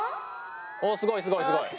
おすごいすごいすごい。